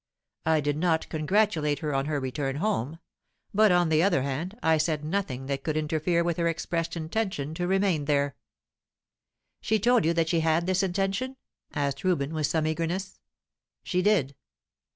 "I did not congratulate her on her return home; but, on the other hand, I said nothing that could interfere with her expressed intention to remain there." "She told you that she had this intention?" asked Reuben, with some eagerness. "She did."